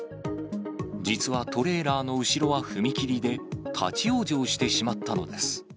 実はトレーラーの後ろは踏切で、立往生してしまったのです。